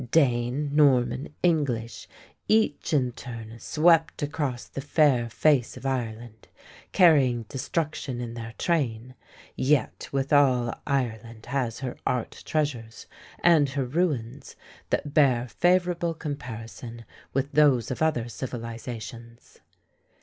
Dane, Norman, English each in turn swept across the fair face of Ireland, carrying destruction in their train, yet withal Ireland has her art treasures and her ruins that bear favorable comparison with those of other civilizations.